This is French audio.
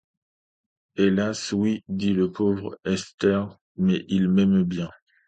Hélas! oui, dit la pauvre Esther, mais il m’aimait bien !...